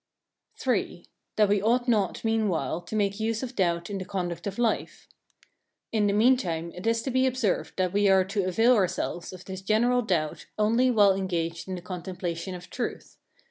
III. That we ought not meanwhile to make use of doubt in the conduct of life. In the meantime, it is to be observed that we are to avail ourselves of this general doubt only while engaged in the contemplation of truth.